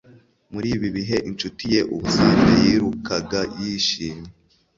muri ibi bihe, inshuti ye ubusanzwe yirukaga yishimye